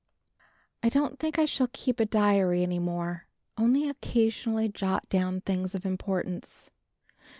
I don't think I shall keep a diary any more, only occasionally jot down things of importance.